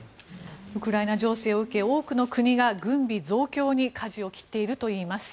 ウクライナ情勢を受け多くの国が軍備増強にかじを切っているといいます。